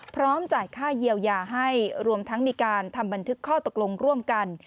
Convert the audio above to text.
พร้อมจ่ายค่าเยียวยาให้รวมทั้งมีการทำบันทึกข้อตกลงร่วมกัน